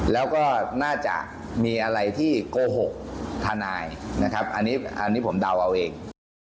แล้วก็น่าจะมีอะไรที่โกหกทนายนะครับอันนี้ผมเดาเอาเอง